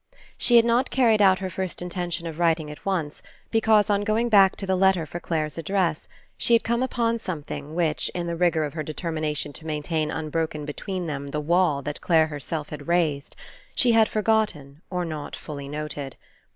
She had not carried out her first inten tion of writing at once because on going back to the letter for Clare's address, she had come upon something which, in the rigour of her de termination to maintain unbroken between them the wall that Clare herself had raised, she had forgotten, or not fully noted.